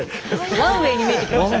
ランウェイに見えてきました。